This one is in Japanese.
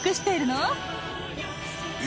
え？